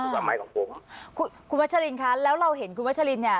สมัยของผมคุณคุณวัชลินคะแล้วเราเห็นคุณวัชลินเนี่ย